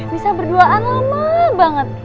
bisa berduaan lama banget